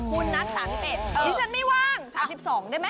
คุณนัด๓๑ดิฉันไม่ว่าง๓๒ได้ไหม